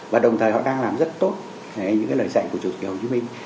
và đồng thời họ đang làm rất tốt những lời dạy của chủ tịch hồ chí minh